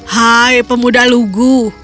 hai pemuda lugu